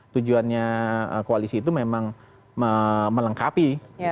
tujuannya koalisi itu memang melengkapi